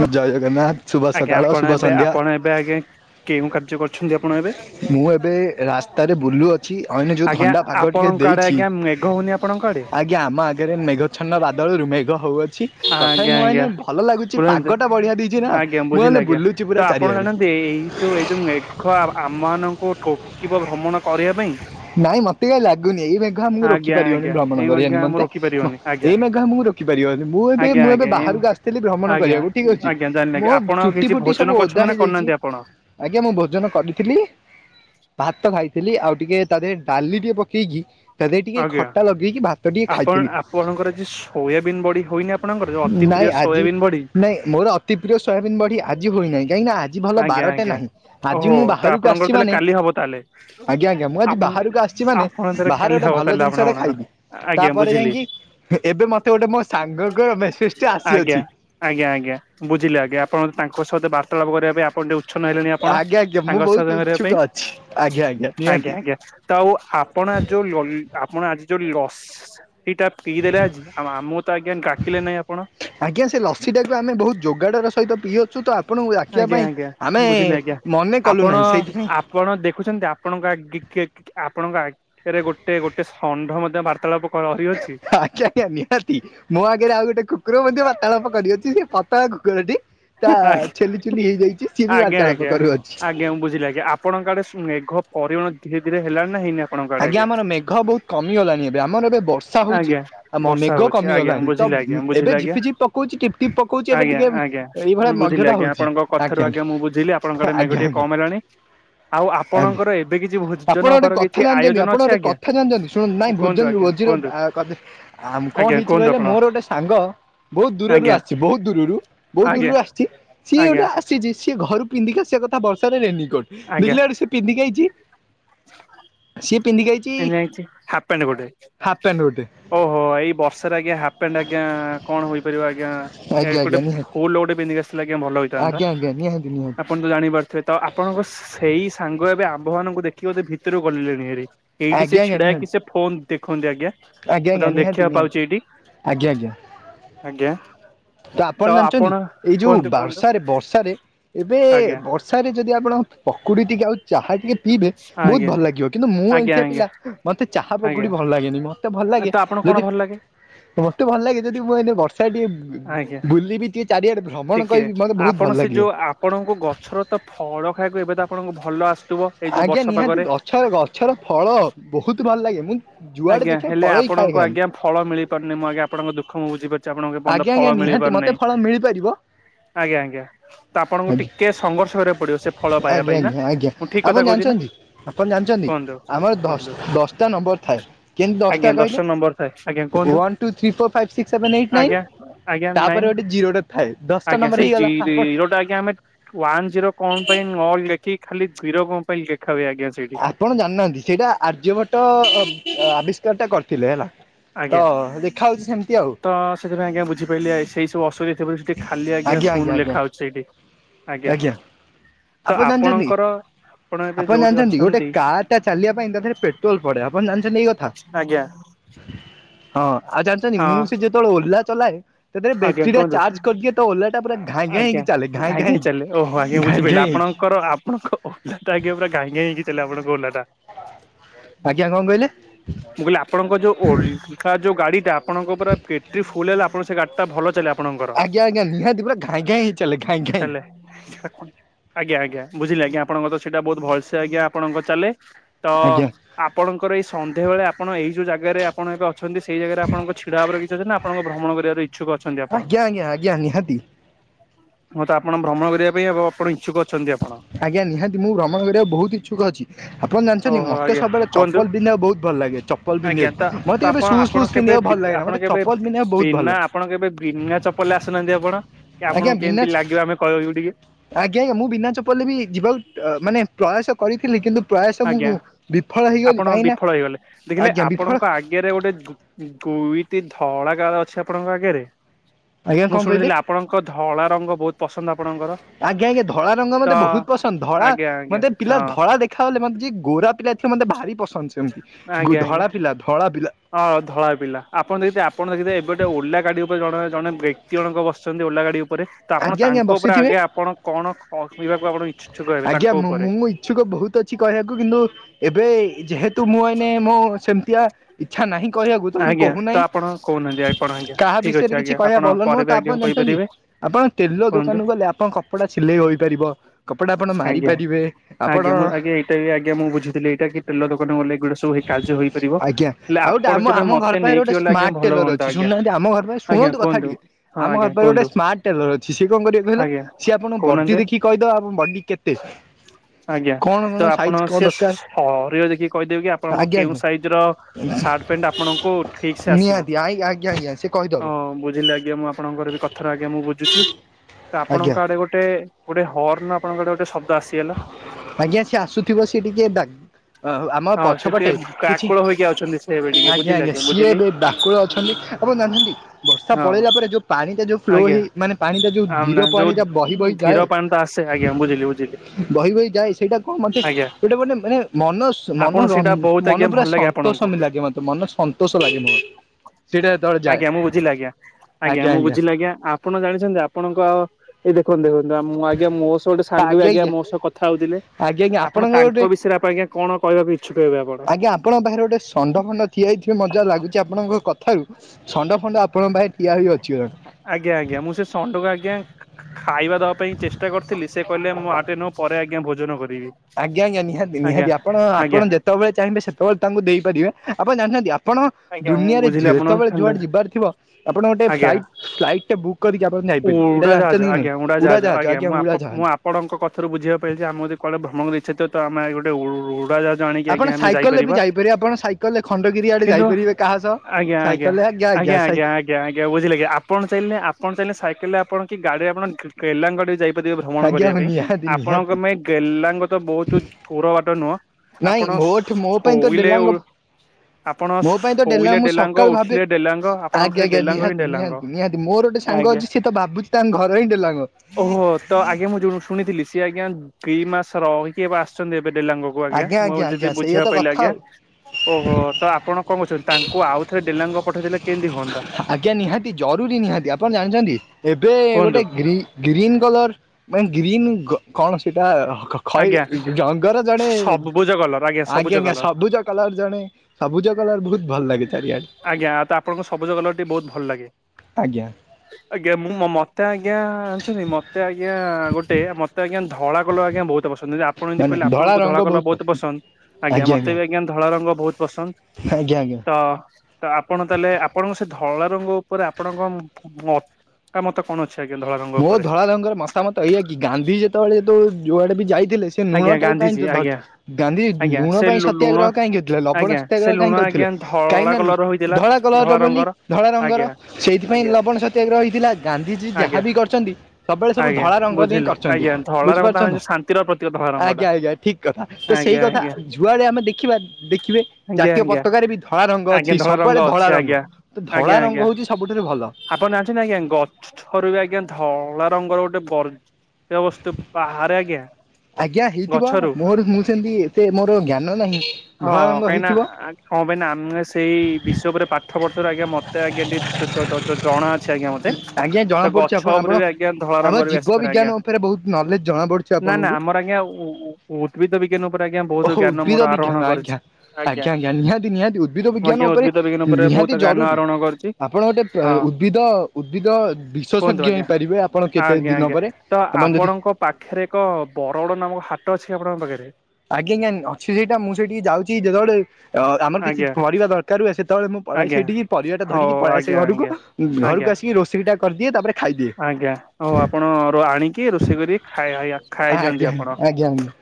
ଜୟ ଜଗନ୍ନାଥ ଶୁଭ ଆଜ୍ଞା ସକାଳ ଆପଣ ଶୁଭ ଏବେ ସନ୍ଧ୍ୟା। ଆପଣ ଏବେ ଆଜ୍ଞା କେଉଁ କାର୍ଯ୍ୟ କରୁଛନ୍ତି ଆପଣ ଏବେ? ମୁଁ ଏବେ ରାସ୍ତାରେ ବୁଲୁ ଅଛି ଅଇନ ଯୋଉ ଆଜ୍ଞା ଥଣ୍ଡା ଆଗ ଟିକେ ଆପଣଙ୍କ ଆଡେ ଦେଇଛି ଆଜ୍ଞା ମେଘ ହଉନି ଆପଣଙ୍କ ଆଡେ? ଆଜ୍ଞା ଆମ ଆଗରେ ମେଘ ଛନ ବାଦଳୁ ରୁ ମେଘ ହୋଉଅଛି ତଥାପି ଆଜ୍ଞା ମୁଁ ଭାବିନି ଆଜ୍ଞା ଭଲ ଲାଗୁଛି। ପାଗଟା ବଢ଼ିଆ ଦେଇଛି ନା ଆଜ୍ଞା ମୁଁ ବୁଝିଲେ ହେଲେ ଆଜ୍ଞା ବୁଲୁଛି ପୁରା ତ ଆପଣ ଚାରିଆଡ଼େ ଜାଣନ୍ତି ଏଇ ଯୋଉ ଏଇ ଯୋଉ ମେଘ ଆମମାନଙ୍କୁ ଠୋକିବ ଭ୍ରମଣ କରିବା ପାଇଁ। ନାଇଁ ମତେ କା ଲାଗୁନି ଏଇ ମେଘ ଆମକୁ ରୋକି ଆଜ୍ଞା ପାରିବନି ଆଜ୍ଞା ଭ୍ରମଣ ଏଇ କରିବା ଆଜ୍ଞା ଆମ ନିମନ୍ତେ, ରୋକି ପାରିବନି ଆଜ୍ଞା। ଏଇ ମେଘ ଆମକୁ ରୋ କି ପାରିବନି ମୁଁ ଏବେ ଆଜ୍ଞା ମୁଁ ଏବେ ଆଜ୍ଞା ଏ ବାହାରକୁ ଆସିଥିଲି ଭ୍ରମଣ ଆଜ୍ଞା କରିବାକୁ ଠିକ ଅଛି ମୋ ଚୁଟି ଫୁଟି ସବୁ ଓ ସେ ମାନେ କରିନାହାନ୍ତି ଆପଣ। ଆଜ୍ଞା ମୁଁ ଭୋଜନ କରିଥିଲି, ଭାତ ଖାଇଥିଲି ଆଉ ଟିକେ ତା ଦେରେ ଡାଲି ଟିକେ ପକେଇକି ତା ଦେ ଟିକେ ଆଜ୍ଞା ଖଟା ଲଗେଇକି ଭାତ ଟିକେ ଆପଣ ଖାଇଥିଲି। ଆପଣଙ୍କର ଆଜି ସୋୟାବିନ୍ ବଡି ହୋଇନି ଆପଣଙ୍କର ଯୋଉ ଅତି ନାଇଁ ପ୍ରିୟ ଆଜି ସୋୟାବିନ୍ ବଡି? ନାଇଁ ମୋର ଅତି ପ୍ରିୟ ସୋୟାବିନ୍ ବଢି ଆଜି ହୋଇ ନାହିଁ। କାହିଁକି ନା ଆଜି ଭଲ ଆଜ୍ଞା ବାରଟେ ଆଜ୍ଞା ନାହିଁ ଆଜି ଓହୋ ମୁଁ ତ ବାହାରକୁ ଆପଣଙ୍କର ଆସିଛି ତାହେଲେ ମାନେ କାଲି ହବ ତାହେଲେ ଆଜ୍ଞା ଆଜ୍ଞା। ମୁଁ ଆଜି ଆପଣ ବାହାରକୁ ଆସିଛି ମାନେ ଆପଣ ତାହେଲେ ବାହାରେ କାଲି ଗୋଟେ ହବ ଭଲ ତାହେଲେ ଜିନିଷଟା ଆପଣମାନଙ୍କର ଖାଇବି ଆଜ୍ଞା ତାପରେ ଯାଇଁ ବୁଝିଲି କି ଏବେ ମତେ ଗୋଟେ ମୋ ସାଙ୍ଗଙ୍କର ମେସେଜ ଟେ ଆଜ୍ଞା ଆସିଅଛି। ଆଜ୍ଞା ଆଜ୍ଞା ବୁଝିଲି ଆଜ୍ଞା ଆପଣ ତାଙ୍କ ସହିତ ବାର୍ତ୍ତାଳାପ କରିବା ପାଇଁ ଆପଣ ଟିକେ [unintelligible] ହେଲେଣି ଆପଣ ଆଜ୍ଞା ଆଜ୍ଞା ମୁଁ ସାଙ୍ଗ ବହୁତ [unintelligible] କରିବା ଉତ୍ସୁକ ପାଇଁ, ଅଛି ଆଜ୍ଞା ଆଜ୍ଞା ନିହାତି। ଆଜ୍ଞା। ତଆଉ ଆପଣ ଯୋଉ ଲନ ଆପଣ ଆଜି ଯୋଉ ଲସ୍ ଟା ପିଇଦେଲେ ଆଜି ଆଉ ଆମକୁ ତ ଆଜ୍ଞା କିଲେ ନାହିଁ ଆପଣ। ଆଜ୍ଞା ସେ ଲସି ଟାକୁ ଆମେ ବହୁତ ଯୋଗାଡ଼ ର ସହିତ ପିଇଅଛୁ ତ ଆପଣଙ୍କୁ ଡାକିବା ଆଜ୍ଞା ପାଇଁ ଆଜ୍ଞା ଆମେ ବୁଝିଲି ଆଜ୍ଞା ମନେ କଲୁ ଆପଣ ନାହିଁ ସେଇଥିପାଇଁ ଆପଣ ଦେଖୁଛନ୍ତି ଆପଣଙ୍କ [unintelligible] ଆପଣଙ୍କ [unintelligible] ଗୋଟେ ଗୋଟେ ଷଣ୍ଢ ମଧ୍ୟ ବାର୍ତ୍ତାଳାପ କରିଅଛି [unintelligible] ନିହାତି। ମୋ ଆଗରେ ଆଉ ଗୋଟେ କୁକୁର ମଧ୍ୟ ବାର୍ତ୍ତାଳାପ କରିଅଛି ସେ ପତଳା କୁକୁରଟି ତା ଛେ ଚୁଲି ହେଇଯାଇଛି, ସିଏ ବି ଆଜ୍ଞା ବାର୍ତ୍ତାଳାପ ଆଜ୍ଞା କରୁଅଛି। ଆଜ୍ଞା ବୁଝିଲି ଆଜ୍ଞା, ଆପଣଙ୍କ ଆଡେ ମେଘ ପରିମାଣ ଧୀରେ ଧୀରେ ହେଲାଣି ନା ହେଇନା? ଆଜ୍ଞା ଆମର ମେଘ ବହୁତ କମିଗଲାଣି ଏବେ ଆମର ଏବେ ବର୍ଷା ହଉଛି, ଆଜ୍ଞା ଆମ ବର୍ଷା ମେଘ ହଉଛି ଆଜ୍ଞା କମିଗଲାଣି। ତ ବୁଝିଲି ଆଜ୍ଞା ଉ ବୁଝିଲି ଏବେ ଆଜ୍ଞା ଝିପିଝପି ପକଉଛି ଟିପଟିପ ପକଉଛି ଏବେ ଟିକେ ଏଇଭଳିଆ ମେଘଟା ହଉଛି ଙ୍କ କଥାରୁ ଆଜ୍ଞା ଆଜ୍ଞା ଆଜ୍ଞ ମୁଁ ବୁଝିଲି ଆପଣଙ୍କଡେ ମେଘ ଆଜ୍ଞା ଟିକେ ଆଜ୍ଞା। କମ ହେଲାଣି। ଆଉ ଆପଣଙ୍କର ଏବେ କିଛି ଭୋଜନ ହବାର କି ଥା ଜାଣିଛନ୍ତି ଆପଣଟେ କଥା ଜାଣିଛନ୍ତି କୁହନ୍ତୁ ଆଜ୍ଞା କୁହନ୍ତୁ ଆଜ୍ଞା କୁହନ୍ତୁ ଆପଣ [unintelligible] ସାଙ୍ଗ ବହୁତ୍ ଦୂରରୁ ଆଜ୍ଞା ଆସ୍ଛି। ବହୁତ୍ ଦୂରରୁ ବହୁତ୍ ଆଜ୍ଞା ଦୂରରୁ ଆସ୍ଛି। ସିଏ ଗୋଟେ ଆଜ୍ଞା ଆସିଛି ସିଏ ଘରୁ ପିନ୍ଧିକି ଆସିଆକଥା ବର୍ଷାରେ ରେନିକୋଟ୍। ଆଜ୍ଞା ଦେଖିଲାଳୁ ସେଏ ପିନ୍ଧିକି ଆଇଛି ସିଏ ପିନ୍ଧିକି ଆଇଛି [unintelligible] ହାପଣ୍ଡ୍ ଗୋଟେ [unintelligible] ଓହୋ ଏଇ ବର୍ଷରେ ଆଜ୍ଞା ହାପଣ୍ଟ୍ ଆଜ୍ଞା କଣ ହୋଇପାରିବ ଆଜ୍ଞା? ଏ ଆଜ୍ଞା ଗୋଟେ ଆଜ୍ଞା ନିହାତି ଫୁଲୋ୍ ଗୋଟେ ପିନ୍ଧିକି ଆସିଲା ଆଜ୍ଞା ଭଲ ହେଇଥାନ୍ତା। ଆଜ୍ଞା ଆଜ୍ଞା ନିହାତି ନିହାତି ଆପଣ ତ ଜାଣିପାରୁଥିବେ ତ, ଆପଣଙ୍କ ସେଇ ସାଙ୍ଗ ଏବେ ଆମ୍ଭ ମାନଙ୍କୁ ଦେଖି ବୋଧେ ଭିତରୁ [unintelligible] ଲେଣି ହେରି। ଏଇଠି ସେ ଛିଡାହେଇକି ସେ ଫୋନ ଦେଖନ୍ତି ଆଜ୍ଞା। ମୁଁ ଆଜ୍ଞାଜ୍ଞା ତାଙ୍କୁ ନିହାତି ଦେଖିବାକୁ ପାଉଛି ନିହାତି ଏଇଠି ଆଜ୍ଞାଜ୍ଞା। ଆଜ୍ଞା ତ ଆପଣ ଜାଣିଛନ୍ତି ଏଇ ଯୋଉ କୁହନ୍ତୁ କୁହନ୍ତୁ। ବାଉର୍ଷାରେ ବର୍ଷାରେ ଏବେ ଆଜ୍ଞା ବର୍ଷାରେ ଯଦି ଆପଣ ପକୁଡି ଟିକେ ଆଉ ଚାହା ଟିକେ ପିଇବେ ବହୁତ୍ ଆଜ୍ଞା ଭଲ ଲାଗିବ, କିନ୍ତୁ ମୁଁ ଆଜ୍ଞା ଏମିତିଆ ପିଲା ମତେ ଚାହା ପକୁଡି ଆଜ୍ଞା ଭଲ ଲାଗେନି ମ। ତ ଆଜ୍ଞା ଭଲାଗେ ଆପଣ କଣ ଯଦି ଭଲ ଲାଗେ ମତେ ଭଲ ଲାଗେ ଯଦି ମୁଁଏଇନା ବର୍ଷା ଟିକେ ଆଜ୍ଞା। [unintelligible] ବୁଲିବି ଟିକେ ଚାରିଆଡ଼େ ଭ୍ରମଣ ଟିକେ କରିବି ମୋତେ ବହୁତ୍ ଆପଣ ଭଲ ସେ ଲାଗିବ। ଯୋଉ ଆପଣଙ୍କୁ ଗଛର ତ ଫଳ ଖାଇବାକୁ ଏବେ ତ ଆପଣଙ୍କୁ ଭଲ ଆସୁଥିବ। ଏଇ ଯୋଉ ଆଜ୍ଞା ବର୍ଷା ନିହାତି ପାଗରେ। ଗଛ ଗଛର ଫଳ ବହୁତୁ ଭଲ ଲାଗେ। ମୁଁ ଯୁଆଡେ ଆଜ୍ଞା ଦେଖେ ହେଲେ ଫଳ ହିଁ ଖାଏ ଆପଣଙ୍କୁ ଖାଲି। ଆଜ୍ଞା ଫଳ ମିଳିପାରୁନି ମୁଁ ଆଜ୍ଞା ଆପଣଙ୍କ ଦୁଃଖ ମୁଁ ବୁଝି ପାରୁଛି ଆପଣଙ୍କ ଏପନ୍ତ [unintelligible] ନିହାତି ମତେ ଫଳ ମିଳିପାରିବ। ଆଜ୍ଞା ଆଜ୍ଞା ତ ଆପଣଙ୍କୁ ଆଜ୍ଞା ଟିକେ ସଂଘର୍ଷକରିବାକୁ ପଡିବ ସେ ଫଳ ପାଇବା ଆଜ୍ଞା ପାଇଁ ନା। ଆଜ୍ଞା ମୁଁ ଠିକ [unintelligible] କଥା କହୁଛି ନା ଜାଣିଛନ୍ତି ଆପଣ ଜାଣିଛନ୍ତି କୁହନ୍ତୁ ଆମର କୁହନ୍ତୁ ଧଶ ଦଶଟା ନମ୍ବର ଥାଏ। କେନ୍ ଆଜ୍ଞା ଦଶଟା ଦଶ କହିଲେ ନମ୍ବର ଥାଏ ଆଜ୍ଞା କୁହନ୍ତୁ। One, two, three, four, five, six, seven, eight, nine ଆଜ୍ଞା ଆଜ୍ଞା ନାଇନ୍ ତାପରେ ଗୋଟେ ଜିରୋଟେ ଥାଏ ଦଶଟା ନମ୍ବର ହେଇଗଲା। [unintelligible] ଯୋଟା ଆଜ୍ଞା ଆମେ ୱାନ୍ ଜିରୋ କଣ ପାଇଁ ନ ଲେଖି ଖାଲି ଜିରୋ କଣ ପାଇଁ ଲେଖାଉଏ ଆଜ୍ଞା ସେଇଠି? ଆପଣ ଜାଣିନାହାନ୍ତି ସେଇଟା ଆର୍ଯ୍ୟଭଟ ଅ ଆବିଷ୍କାର ଟା କରିଥିଲେ ହେଲା। ତ ଆଜ୍ଞା ଦେଖାଯାଉଛି ସେମିତି ଆଉ ତ ସେଥିପାଇଁ ଆଜ୍ଞା ବୁଝିପାଇଲି ସେଇ ସବୁ [unintelligible] ଖାଲି ଆଜ୍ଞା ଶୂନୁ ଲେଖାଉଛି ସେଠି, ଆଜ୍ଞା। ତ ଆପଣ ଜାଣିଛନ୍ତି ଆପଣଙ୍କର ଏବେ ଆପଣ ଯୋଉଠି ଜାଣିଛନ୍ତି ଗୋଟେ ଅଛନ୍ତି କାର୍ ଟା ଚାଲିବା ପାଇଁ ତା ଦେରେ ପେଟ୍ରୋଲ ପଡେ, ଆପଣ ଜାଣିଛନ୍ତି ଏଇ କଥା? ଆଜ୍ଞା। ହଁ ଆଉ ଜାଣିଛନ୍ତି ମୁଁ ସେ ଯେତେବେଳେ ଓଲା ଚଲାଏ ସେଥିରେ ବେଟ୍ରି ଟା କୁହନ୍ତୁ ଚାର୍ଜ କରିଦିଏ ତ ଓଲା ଟା ପୁରା ଘାଁଇଁ ଆଜ୍ଞା। ଘାଁଇକି ଚାଲେ ଘାଇଁ ଘାାଇଁ ଚାଲେ ଓହୋ ଆଜ୍ଞା ଘାଇଁ ବୁଝିପାରିଲି ଘାଇଁ ହେଇକି ଆପଣଙ୍କର ଆପଣଙ୍କ ଓଲାଟା ଆଜ୍ଞା ପୁରା ଘାଇଁ ଘାଇଁ ହେଇକି ଚାଲେ ଆପଣଙ୍କ ଓଲାଟା। ମୁଁ ଆଜ୍ଞା କଣ କହିଲେ କହିଲି ଆପଣଙ୍କ ଯୋଉ ଓଲି କା ଯୋଉ ଗାଡିଟା ଆପଣଙ୍କ ପରା ପିଡି ଫୁଲ୍ ଲେ ଆପଣ ସେ ଗାଟା ଭଲ ଚାଲେ ଆପଣଙ୍କର ଆଜ୍ଞା ଆଜ୍ଞା ନିହାତି ପୁରା ଘାଇଁ ଘାଇଁ ହେଇ ଚାଲେ ଘାଇଁ ଘାଇଁ। [inaudible] ଆଜ୍ଞା ଆଜ୍ଞା ବୁଝିଲି ଆଜ୍ଞା ଆପଣଙ୍କ ତ ସେଇଟା ବହୁତ୍ ଭଲ୍ ସେ ଆଜ୍ଞା ଆପଣଙ୍କ ଚାଲେ ତ ଆ ଆଜ୍ଞା ଆଜ୍ଞା ଆପଣଙ୍କର ଏଇ ସଂଧ୍ୟାବେଳେ ଆପଣ ଏଇ ଯୋଉ ଜାଗାରେ ଆପଣ ଏବେ ଅଛନ୍ତି ସେଇ ଜାଗାରେ ଆପଣଙ୍କ ଛିଡାବାର କିଛି ଅଛି ନା ଆପଣଙ୍କ ଭ୍ରମଣ କରିବାର‌ଇ ଛୁକ ଅଛନ୍ତି ଆପଣ ଆଜ୍ଞା ଆଜ୍ଞା ନିହାତି ହଁ ତ ଆପଣ ଭ୍ରମଣ କରିବା ପାଇଁ ଆପ ଆପଣ ଇଚ୍ଛୁକ ଅଛନ୍ତି ଆପଣ। ଆଜ୍ଞା ନିହାତି ମୁଁ ଭ୍ରମଣ କରିବା ବହୁତ୍ ଇଚ୍ଛୁକ ଅଛି। ଆପଣ ଜାଣିଛନ୍ତି ଓହୋ ମତେ ଆଜ୍ଞା ସବୁବେଳେ କୁହନ୍ତୁ ଚପଲ୍ ପିନ୍ଧିଆକୁ ବହୁତ୍ ଭଲ ଲାଗେ ଚପଲ୍ ଆଜ୍ଞା ପିନ୍ଧିଆକୁ ତ ମତେ ତ କେବେ ଆପଣ ସୁସ୍ ଆପଣ କେବେ ଫି ଆପଣ କେବେ ଭଲ ବିନା ଲାଗେ ଆପଣ କେବେ ବିନା ଚପଲେ ଆସୁନାହାନ୍ତି ଆପଣ। କି ଆଜ୍ଞା ଆପଣଙ୍କୁ ବିନା କେନ୍ତି ଲାଗିବ ଆମେ କହିବୁ ଟିକେ। ଆଜ୍ଞା ଆଜ୍ଞା ମୁଁ ବିନା ଚପଲେ ବି ଯିବାକୁ ମାନେ ପ୍ରୟାସ କରିଥିଲି କିନ୍ତୁ ପ୍ରାୟ ମୁଁ ଆଜ୍ଞା। ମୁଁ ବିଫଳ ହେଇଗଲି ଆପଣ କାହିଁକିନା ବିଫଳ ହେଇଗଲେ ଦେଖିଲେ ଆଜ୍ଞା ଆପଣଙ୍କ ବିଫଳ ଆଗରେ ଗୋଟେ ଦୁଇଟି ଧଳା ଗାର ଅଛି ଆପଣଙ୍କ ଆଗରେ। ଆଜ୍ଞା ମୁଁ କଣ କହିଲେ ଶୁଣିଥିଲି ଆପଣଙ୍କ ଧଳା ରଙ୍ଗ ବହୁତ ପସନ୍ଦ ଆପଣଙ୍କର। ଆଜ୍ଞା ଆଜ୍ଞା ଧଳା ରଙ୍ଗ ତ ମତେ ବହୁତ ପସନ୍ଦ ଧଳା ଆଜ୍ଞା ଆଜ୍ଞା ମତେ ପିଲା ହଁ ଧଳା ଦେଖ। ଦେଖାଲେ ମତେ ଯେ ଗୋରା ପିଲା ଏ ମତେ ଭାରି ପସନ୍ଦ ସେମିତି ଆଜ୍ଞା ଆଜ୍ଞା ଧଳା ପିଲା ଧଳା ପିଲା। ହଁ ଧଳା ପିଲା ଆପଣ ଦେଖିଥିବେ ଆପଣ ଦେଖିଥିବେ ଏବେ ଗଟେ ଓଲା ଗାଡି ଉପରେ ଜଣେ ଜଣେ ବ୍ୟକ୍ତି ଜଣକ ବସିଛନ୍ତି ଓଲା ଗାଡି ଉପ ଉପରେ ତ ଆପଣ ଆଜ୍ଞା ଆଜ୍ଞା ତାଙ୍କ ଉପରେ ବସିଥିବେ ଆଗେ ଆପଣ କଣ କ କହିବାକୁ ଆପଣ ଇଚଛୁକ ହେବେ ତାଙ୍କ ଉପରେ। ଇଛୁକ ବହୁତ ଅଛି କରିବାକୁ କିନ୍ତୁ ଏବେ ଯେହେତୁ ମୁଁ ଏଇନେ ମୋ ସେମିତିଆ ଇଛା ନାହିଁ କହିବାକୁ ତ ମୁଁ ଆଜ୍ଞା ତ କହୁନାହିଁ ଆପଣ କହୁନାହାନ୍ତି ଆପଣ ଆଜ୍ଞା କାହା ଠିକ ଅଛି ବିଷୟରେ କିଛି ଆଜ୍ଞା କହିବା ଆପଣ ଭଲ ପରେ ନୁହଁ ବି ତା ଆ କହିପାରିବେ। ଆପଣ ଟେଲର୍ କୁହନ୍ତୁ ଦୋକାନ ଗଲେ ଆପଣଙ୍କ କପଡା ସିଲେଇ ହୋଇପାରିବ। କପଡ଼ା ଆପଣ ଆଜ୍ଞା! ମାରିପାରିବେ ଆଜ୍ଞ ମୁଁ ଆପଣ ଆଜ୍ଞା ଏଇଟା ଆଜ୍ଞା ମୁଁ ବୁଝଥିଲି ଏଇଟା କି ତେଲ ଦୋକାନ ଗଲେ ଏଗୁଡ଼ା ସବୁ ହେ ଆଜ୍ଞା ଆଉ ଗୋଟେ ଆମ ଆମ ମତେ ଘର ପାଖରେ ନେଇକି ଗୋଟେ ଗଲେ ଆଜ୍ଞା ସ୍ମାର୍ଟ ଭଲ ଟେଲର ହୁଅନ୍ତା ଅଛି ଆଜ୍ଞା ଶୁଣୁନାହାନ୍ତି ଆମ ଘର ପାଇଁ ଆଜ୍ଞା ଶୁଣନ୍ତୁ କଥା କୁହନ୍ତୁ। ଟିକେ। ହଁ ଆମ ଘର ଆଜ୍ଞା ପାଖରେ ଗୋଟେ କୁହନ୍ତୁ ସ୍ମାର୍ଟ ଟେଲର ଅଛି ସିଏ କଣ କରିବ କହିଲ ଆଜ୍ଞା ସିଏ ଆପଣ ବଡି କହୁନାହାନ୍ତି ଦେଖି କହିବ କହିଦବ ଉଁ ବଡି କେତେ? ଆଜ୍ଞା କଣ କଣ ତ ସାଇଜ ଆପଣ କଣ ସେ ଦରକାର ଶରୀର ଦେଖି କହିଦେବେ କି ଆପଣଙ୍କୁ ଆଜ୍ଞା କେଉଁ ଆଜ୍ଞା ସାଇଜ ର ସାର୍ଟ ପେଣ୍ଟ ଆପଣଙ୍କୁ ଠିକ ସେ ଆସିବ ନିହାତି ଆଜ୍ଞା ଆଜ୍ଞା ସେ କହିଦବ। ହ ବୁଝିଲେ ଆ ଆଜି ମୁଁ ଆପଣଙ୍କର ବି କଥା ଟା ମୁଁ ବୁଝୁଛି ତ ଆଜ୍ଞା ଆପଣଙ୍କ ଆଡେ ଗୋଟେ ଗୋଟେ ହର୍ଣ୍ଣ। ଆପଣଙ୍କଟେ ଗୋଟେ ଶବ୍ଦ ଆସିଗଲା। ଆଜ୍ଞା ସେ ଆସୁଥିବ ସେ ଟିକେ ଡା ଆମ ହଁ ସେ ଟିକେ ପଛପଟେ କିଛି କାକୁଳ ହେଇକି ଆଉଛନ୍ତି ସେ ଏବେ ଟିକେ ଆଜ୍ଞା ବୁଝିଲେ ଆଜ୍ଞା ସିଏ ବୁଝିଲି ଏବେ ଡାକୁଳ ଅଛନ୍ତି। ଆପଣ ଜାଣିଛନ୍ତି ବର୍ଷା ହଁ ପଳେଇଲା ପରେ ଯୋଉ ପାଣିଟା ଯୋଉ ଫ୍ଲୋ ଆଜ୍ଞା। ହେଇ ମାନେ ପାଣିଟା ଯଉ ଆମ୍ ଧିର ନା ଯୋଉ ପାଣିଟା ବହି-ବହି। ଧୀର ପାଣି ତ ଆସେ ଆଜ୍ଞା ବୁଝିଲି ବୁଝିଲି। ବହି ବହି ଯାଏ ସେଇଟା କଣ ମତେ ଆଜ୍ଞା ସେଇଟା ଗୋଟେ ମତେ ମନ। ଆପଣ ମନ ରନ୍ ସେଇଟା ବହୁତ ଆଜ୍ଞା ମନ ପୁରା ଭଲ ଲାଗେ ଆପଣଙ୍କୁ ସନ୍ତୋଷନ ଲାଗେ ମତେ ମନ ସନ୍ତୋଷ ଲାଗେ ମୋର। ସେଇଟା ଯେତେବେଳେ ଯାଏ ଆଜ୍ଞା ମୁଁ ବୁଝିଲ ଆଜ୍ଞା ଆଜ୍ଞା ମୁଁ ବୁଝିଲ ଆଜ୍ଞା ଆପଣ ଜାଣିଛନ୍ତି ଆପଣଙ୍କ ଆଉ। ଏଇ ଦେଖନ୍ତୁ ଦେଖନ୍ତୁ ମୁଁ ଆଜ୍ଞା ମୋ ସହ ଗୋଟେ ସାଙ୍ଗ ବି ଆଜ୍ଞା ମୋ ସହ କଥା ହଉଥିଲେ। ଆଜ୍ଞା ଆଜ୍ଞା ଆପଣ ଆପଣଙ୍କ ଗୋଟେ ତାଙ୍କ ବିଷୟରେ ଆପଣ ଆଜ୍ଞା କଣ କହିବାକୁ ଇଚ୍ଛୁକ ହେବେ ଆପଣ। ଆଜ୍ଞା ଆପଣଙ୍କ ବାହରେ ଗୋଟେ ଷଢ ଖଣ୍ଡ ତିଆ ହେଇଥିବ ମଜା ଲାଗୁଛି ଆପଣଙ୍କ କଥାରୁ। ଷଣ୍ଢ ଫଣ୍ଡ ଆପଣଙ୍କ ପାଇଁ ଠିଆ ହେଇ ଅଛି। ଆଜ୍ଞା ଆଜ୍ଞା ମୁଁ ସେଇ ଷଣ୍ଢକୁ ଆଜ୍ଞା ଖାଇବା ଦବା ପାଇଁ ଚେଷ୍ଟା କରିଥିଲି ସେ କହିଲେ ମୁଁ ଆଠେ ନଅ ପରେ ଆଜ୍ଞା ଭୋଜନ କରିବି। ଆଜ୍ଞା ଆଜ୍ଞା ନିହାତି ଆଜ୍ଞା ନିହାତି ଆପଣ ଆପଣ ଆଜ୍ଞା ଯେତେବେଳେ ଚାହିଁବେ ସେତେବେଳେ ତାଙ୍କୁ ଦେଇପାରିବେ। ଆପଣ ଜାଣିଛନ୍ତି ଆ ଆପଣ ଆଜ୍ଞା ମୁଁ ଦୁନିଆରେ ବୁଝିଲି ଆପଣ ଯେତେବେଳେ ଯୁଆଡ଼େ ଯିବାର ଥିବ ଆପଣ ଗୋଟେ ଆଜ୍ଞା ଫ୍ଲାଇଟ ଫ୍ଲାଇଟ୍ ବୁକ୍ କରିକି ଆପଣା ଯାଇ ପାରିବେ ଏଇଟା ଉଡାଜାହାଜ ଜାଣିଛନ୍ତି କି ନାଇଁ। ଆଜ୍ଞା ଉଡ଼ା ଉଡାଜାହାଜ ଜାହାଜ ଆଜ୍ଞା ମୁଁ ଆପ ଉଡ଼ା ଜାହାଜ। ମୁଁ ଆପଣଙ୍କ କଥାରୁ ବୁଝିବା ପାଇଁ ପାଇଲେ ଯେ ଆମେ ଯଦି ଭ୍ରମଣ ଇଚ୍ଛା ତ ଆମେ ଗୋଟେ ଉଡ଼ା ଜଣେଇକି ଆପଣ ଆଜ୍ଞା ଆମେ ସାଇକେଲରେ ବି ଯାଇପାରିବା। ଯାଇପାରିବେ ଆପଣ ସାଇକେଲରେ ଖଣ୍ଡଗିରି ଆଡେ କିନ୍ତୁ ଯାଇପାରିବେ କାହା ସହ? ଆଜ୍ଞା ଆଜ୍ଞା ସାଇକେଲରେ ଆଜ୍ଞା ଆଜ୍ଞା ଆଜ୍ଞା ସାଇକେ ଆଜ୍ଞା। ଆଜ୍ଞା ଆଜ୍ଞା ବୁଝିଲେ କି ଆପଣ ଚାଁଲେ ଆପଣ ଚାଲେ ସାଇକେଲ ରେ ଆପଣ କି ଗା ରେ ଆପଣ କଲାଙ୍ଗଡି ଯାଇପା ଭ୍ରମଣ ଆଜ୍ଞା କରିବା ହଁ ପାଇଁ। ନିହାତି ଆପଣଙ୍କ ନିହାତି। ପାଇଁ ଡେଲାଙ୍ଗ ତ ବହୁତ ଦୂର ବାଟ ନୁହଁ। ନାଇଁ ଆପଣ ମୋଠ ମୋ ପାଇଁ ତ ଶୋଇଲେ ଡେଲାଙ୍ଗ ଆପଣ ମୋ ପାଇଁ ତ ଶୋଇଲେ ମୁଁ ଡେଲାଙ୍ଗ ସକାଳୁ ଭାବେ ଉଠିଲେ ଡେଲାଙ୍ଗ ଆପଣଙ୍କ ଆଜ୍ଞା ଖାଲି ଆଜ୍ଞା ଡେଲାଙ୍ଗ ହିଁ ନିହାତି ଡେଲାଙ୍ଗ। ନିହାତି ନିହାତି ମୋର ଗୋଟେ ସାଙ୍ଗ ଆଜ୍ଞା ଅଛି ସିଏ ତ ବାବୁନଙ୍କ ଘର ହିଁ ଡେଲାଙ୍ଗ। ଓହୋ ତ ଆଜ୍ଞା ମୁଁ ଯୋଉ ଶୁଣିଥିଲି ସିଏ ଆଜ୍ଞା ଦିଇ ମାସ ରହିକି ଏବେ ଆସଛନ୍ତି ଏବେ ଡେଲାଙ୍ଗକୁ କୁ ଆଜ୍ଞା ମୁଁ ଆଜ୍ଞା ଯଦି ସେଇଆ ବୁଝେଇବା ତ ପାଇଲେ କଥା ଆଜ୍ଞା। ଆଉ ଓହୋ ତ ଆପଣ କଣ କରୁଛନ୍ତି ତାଙ୍କୁ ଆଉଥରେ ଡେଲାଙ୍ଗ ପଠେଇଲେ କେମିତି ହୁଅନ୍ତା। ଆଜ୍ଞା ନିହାତି ଜରୁରୀ ନିହାତି ଆପଣ ଜାଣିଛନ୍ତି ଏବେ କୁହନ୍ତୁ? ଗୋଟେ ଗ୍ରୀ ଗ୍ରୀନ୍ କଲର ମାନେ ଗ୍ରୀନ୍ କଣ ସେଟା ଖ ଆଜ୍ଞା ଜଙ୍ଗର ଜଣେ ଆଜ୍ଞା ସବୁଜ କଲର ଆଜ୍ଞା ସବୁଜ ଆଜ୍ଞା କଲର ସବୁଜ କଲର ଜଣେ ସବୁଜ କଲର ବହୁତ ଭଲ ଲାଗେ ଚାରିଆଡ଼େ। ଆଜ୍ଞା ତ ଆପଣଙ୍କ ସବୁଜ କଲର ଟି ବହୁତ ଭଲ ଲାଗେ। ଆଜ୍ଞା। ଆଜ୍ଞା ମୁଁ ମତେ ଆଜ୍ଞା ଜଣିଛନ୍ତି ମତେ ଆଜ୍ଞା ଗୋଟେ ମତେ ଆଜ୍ଞା ଧଳା କଲର ଆଜ୍ଞା ବହୁତ ପସନ୍ଦ ଯଦି ଆପ ଆପଣ ଆପଣ ଯେମିତି କହିଲେ ଆପଣଙ୍କୁ ଧଳା କଲର ବହୁତ ପସନ୍ଦ ଆଜ୍ଞା ମତେ ବି ଆଜ୍ଞା ଧଳା ରଙ୍ଗ ବହୁତ ପସନ୍ଦ। ଆଜ୍ଞା ଆଜ୍ଞା। ହ ତ ଆପଣ ତାହେଲେ ଆପଣଙ୍କ ସେ ଧଳା ରଙ୍ଗ ଉପରେ ଆପଣଙ୍କ କଣ ମ ମତାମତ କଣ ଅଛି? ଅଛି ଆଜ୍ଞା ଧଳା ରଙ୍ଗ ମୋ ଉପରେ? ଧଳା ରଙ୍ଗର ମତାମତ ଏଇଆ କି ଗାନ୍ଧି ଯେତେବେଳେ ଦୋ ଯୁଆଡ଼େ ବି ଯାଇଥିଲେ ସେ ଲୁଣ ଆଜ୍ଞା ଟାକୁ କାଇଁ ଗାନ୍ଧିଜୀ ଆଜ୍ଞା ଧରିଥିଲେ ଗାନ୍ଧୀ ଆଜ୍ଞା ଲୁଣ ସେ ପାଇଁ ଲୁଣ ସତ୍ୟାଗ୍ରହ କାହିଁକି ହେଇଥିଲା ଲବଣ ଆଜ୍ଞା [unintelligible] ସେ ର ଲୁଣ କାହିଁ କରିଥିଲେ ଆଜ୍ଞା କାହିଁକି ଧଳା ନା କଲର ହୋଇଥିଲା ଧଳା କଲର ର ବୋଲି ରଙ୍ଗର ଧଳା ରଙ୍ଗର ଆଜ୍ଞା ସେଇଥିପାଇଁ ଆଜ୍ଞା ଲବଣ ସ ତ୍ୟାଗ୍ରହ ହେଇଥିଲା ଗାନ୍ଧିଜୀ ଯାହା ଯାହା ଆଜ୍ଞା ବି କରିଛନ୍ତି ସବୁବେଳେ ସବୁ ଆଜ୍ଞା ଧଳା ରଙ୍ଗ ନେଇ ବୁଝିଲି କରିଛନ୍ତି ଆଜ୍ଞା ଧଳା ରଙ୍ଗ ତା ବୁଝିପାରୁଛ ନା। ଶାନ୍ତିର ପ୍ରତୀକ ଧଳା ରଙ୍ଗଟା ଆଜ୍ଞା ଆଜ୍ଞା ଠିକ କଥା ତ ସେଇ ଆଜ୍ଞା କଥା ଆଜ୍ଞା ଯୁଆଡ଼େ ଆମେ ଦେଖିବା ଦେଖିବେ ଆଜ୍ଞା ଜାତୀୟ ଆଜ୍ଞା ପତାକାରେ ବି ଧଳା ରଙ୍ଗ ଆଜ୍ଞା ଅଛି ଧଳା ରଙ୍ଗ ସବୁଆଡ଼େ ଅଛି ଧଳା ରଙ୍ଗ, ଆଜ୍ଞା ତ ଆଜ୍ଞା ଧଳା ଆଜ୍ଞା ରଙ୍ଗ ହଉଛି ସବୁଠାରୁ ଭଲ। ଆପଣ ଜାଣିଛନ୍ତି ଆଜ୍ଞା ଗଛରୁ ବି ଆଜ୍ଞା ଧଳା ରଙ୍ଗର ଗୋଟେ ବର୍ ବଜ୍ୟ ବସ୍ତୁ ବାହାରେ ଆଜ୍ଞା। ଆଜ୍ଞା ହେଇଥିବ ଗଛରୁ ମୋର ମୁଁ ସେମିତି ଏତେ ମୋର ଜ୍ଞାନ ନାହିଁ ଧଳା ରଙ୍ଗ ହେଇଥିବ। ହଁ ଭାଇ ଆମେ ସେଇ ବିଷୟ ଉପରେ ପାଠ ବର୍ଷରୁ ଆଜ୍ଞା ମତେ ଆଜ୍ଞା [unintelligible] ତ ତ ଜ ଜଣା ଅଛି ଆଜ୍ଞା ମତେ ଆଜ୍ଞା ଜଣା ତା ପଡୁଛି ଗଛ ଆପଣ ଉପରେ ଆପଣ ବି ଆଜ୍ଞା ଧଳା ଆମ ରଙ୍ଗରେ ବି ଜୀବ ଆସିପାରେ ବିଜ୍ଞାନ ଆଜ୍ଞା। ଉପରେ ବହୁତ ନଲେଜ ଜଣା ପଡୁଛି ନା ନା ଆପଣଙ୍କୁ ଆମର ଆଜ୍ଞା ଉ ଉ ଉ ଉଦ୍ଭିଦ ବିଜ୍ଞାନ ଉପରେ ଆଜ୍ଞା ବହୁତ ଓହୋ ଜ୍ଞାନ ଉଦ୍ଭିଦ ମୋର ଆର ବିଜ୍ଞାନ ହରଣ ଆଜ୍ଞା କରିଚି ଆଜ୍ଞା ନିହାତି ନିହାତି ଉଦ୍ଭିଦ ମୁଁ ବିଜ୍ଞାନ ଆଜ୍ଞା ଉପରେ ଉଦ୍ଭିଦ ବିଜ୍ଞାନ ଉପରେ ନିହାତି ବହୁତ ଜ୍ଞାନ ଜରୁରୀ ଆରହଣ କରିଚି। ଆପଣ ଗୋଟେ ପ ଉଦ୍ଭିଦ ଉଦ୍ଭିଦ କୁହନ୍ତୁ ବିଶେଷଜ୍ଞ ଆଜ୍ଞା ହେଇପାରିବେ ଆପଣ କେତେ ଆଜ୍ଞା ଦିନ ଆଜ୍ଞା। ପରେ ତ ଆପଣ ଯଦି ଆପଣଙ୍କ ପାଖରେ ଏକ ବରଅଡ଼ ନାମକ ହାଟ ଅଛି ଆପଣଙ୍କ ପାଖରେ। ଆଜ୍ଞା ଜ୍ଞା ଅଛି ସେଟା ମୁଁ ସେଠିକି ଯାଉଚି ଯେବ ଗୋଟେ ଅ ଆମର କିଛି ଆଜ୍ଞା ପରିବା ଦରକାର ହୁଏ ସେତେବେଳେ ମୁଁ ପଳାଏ ଆଜ୍ଞା ସେଇଠିକି ପରିବା ଟା ହଉ ଧରିକି ପଳେଇ ଆସେ ଆଜ୍ଞା ଘରକୁ। ଆଜ୍ଞା ଉଁ ଘରକୁ ଆଜ୍ଞା। ଆସିକି ରୋଷେଇ ଟା ଆଜ୍ଞା ଆଉ ଆପଣ ର ଆଣିକି ରୋଷେଇ କରି ଖାଇଆ ଖାଇ ଦିଅନ୍ତି ଆଜ୍ଞା ଆପଣ। ଆଜ୍ଞା ଆଜ୍ଞା।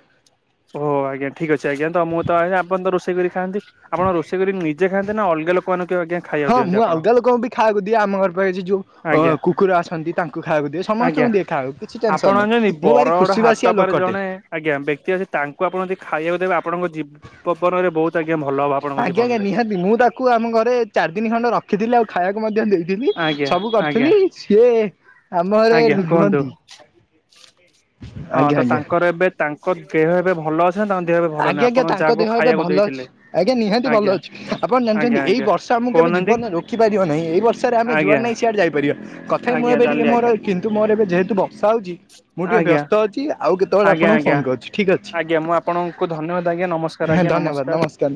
ଓହ ଆଜ୍ଞା ଠିକ ଅଛି ଆଜ୍ଞା ତ ମୁଁ ତ ଆଜ୍ଞା ଆପଣ ତ ରୋଷେଇ କରି ଖାଆନ୍ତି। ଆପଣ ରୋଷେଇ କରି ନିଜେ ଖାଆନ୍ତି ନା ଅଲଗା ଲୋକ ମାନକୁ କେବେ ଆଜ୍ଞା ଖାଇବାକୁ ହଁ ଦିଅନ୍ତି ମୁଁ ଆପଣ? ଅଲଗା ଲୋକଙ୍କୁ ବି ଖାଆକୁ ଦିଏ ଆମ ଘର ପାଖରେ ଜି ଯୋଉ ଅ ଆଜ୍ଞା କୁକୁର ଆସନ୍ତି ତାଙ୍କୁ ଖାଇବାକୁ ଦିଏ ସମସ୍ତଙ୍କୁ ଆଜ୍ଞା ଦିଏ ଖାଇଆକୁ କିଛି ଟେନସନ ନାହିଁ ମୁ ଭାରି ଖୁସି ବାସି ତାପରେ ଜଣେ ଆଜ୍ଞା ବ୍ୟକ୍ତି ଅଛି ତାଙ୍କୁ ଆପଣ ଯଦି ଖାଇବାକୁ ଦେବେ ଆପଣଙ୍କ ଜୀବ ବବନରେ ବୋହୁତ ତା ଆଜ୍ଞା ଭଲ ହବ ଆପଣ ଆଜ୍ଞା ଆଜ୍ଞା ନିହାତି ମୁଁ ତାକୁ ଆମ ଘରେ ଚାରି ଦିନି ଖଣ୍ଡେ ରଖିଥିଲି ଆଉ ଖାଇବାକୁ ମଧ୍ୟ ଦେଇଥିଲି ଆଜ୍ଞା ସବୁ କରି ଆଜ୍ଞା ଥିଲି ସିଏ ଆମ ଘରେ ଆଜ୍ଞା ଲୁ କୁହନ୍ତୁ। ଲୁହନ୍ତି। ହଁ ତ ଆଜ୍ଞା। ତାଙ୍କର ଏବେ ତାଙ୍କ ଦେହ ଏବେ ଭଲ ଅଛି ନା ତାଙ୍କ ଦେ ଆଜ୍ଞା ଆଜ୍ଞା ତାଙ୍କ ଦେହ ଏବେ ଭଲ ଅଛି ଆଜ୍ଞା ନିହାତି ଭଲ ଆଜ୍ଞା ଅଛି ଆପଣ ଆଜ୍ଞା ଜାଣିଛନ୍ତି ଏଇ ଆଜ୍ଞା ବର୍ଷ ତ ଆମକୁ କେବେ କହୁନାହାନ୍ତି ଜିବନରେ ରୋକି ପାରିବ ନାହିଁ ଏ ବର୍ଷା ରେ ଆମେ ଯୁଆଡେ ଆଜ୍ଞା। ନାହିଁ ସିଆଡେ ଯାଇପାରିବା କତ୍ ଥାଇ ମୁଁ ଆଜ୍ଞା ଏବେ ଟିକେ ଜାଣିଲି ମୋର ଆଜ୍ଞା କିନ୍ତୁ ମୋର ଏବେ ଯେହେତୁ ବର୍ଷା ହଉଚି ମୁଁ ଟିକି ଆଜ୍ଞା ବ୍ୟସ୍ତ ଅଛି ଆଉ କେତବେଳେ ଆଜ୍ଞା ଆପଣଙ୍କୁ ଆଜ୍ଞା ଫୋନ୍ କରୁଚି ଠିକ୍ ଅଛି। ଆଜ୍ଞା ମୁଁ ଆପଣଙ୍କୁ ଧନ୍ୟବାଦ ଆଜ୍ଞା ନମସ୍କାର ଆଜ୍ଞା ନମସ୍କାର।